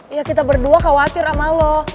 ya kita berdua khawatir sama lo